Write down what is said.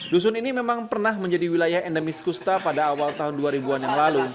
dusun ini memang pernah menjadi wilayah endemis kusta pada awal tahun dua ribu an yang lalu